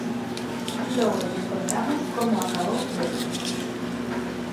Logo lles contamos como acabou todo.